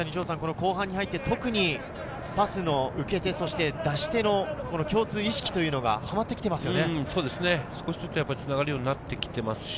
後半に入って特にパスの受け手、そして出し手の共通意識というのが、はまってきていますよね。